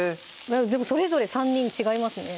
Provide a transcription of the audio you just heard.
それぞれ３人違いますね